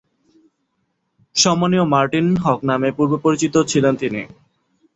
সম্মানীয় মার্টিন হক নামে পূর্বে পরিচিত ছিলেন তিনি।